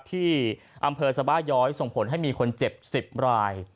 ที่อำเภอสบาย้อยส่งผลให้มีคนเจ็บ๑๐ราย